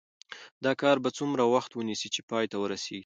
دا کار به څومره وخت ونیسي چې پای ته ورسیږي؟